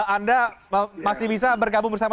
anda masih bisa bergabung bersama